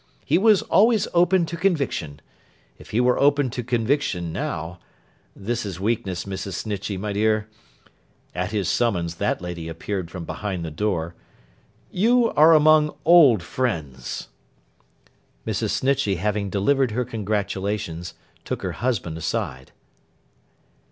He was always open to conviction. If he were open to conviction, now, I—this is weakness. Mrs. Snitchey, my dear,'—at his summons that lady appeared from behind the door, 'you are among old friends.' Mrs. Snitchey having delivered her congratulations, took her husband aside.